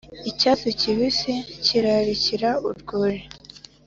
icyatsi kibisi kirarikira urwuri,